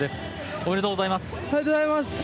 おめでとうございます。